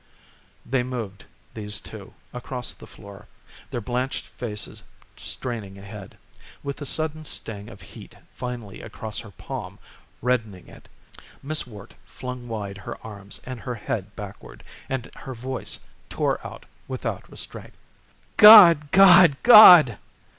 They moved, these two, across the floor, their blanched faces straining ahead. With the sudden sting of heat finally across her palm, reddening it, Miss Worte flung wide her arms and her head backward, and her voice tore out without restraint. "God! God! God!"